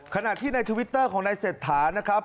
ขณะที่ในทวิตเตอร์ของนายเศรษฐานะครับ